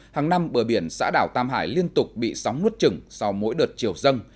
hàng năm bờ biển xã đảo tam hải liên tục bị sóng nuốt trừng sau mỗi đợt chiều dâng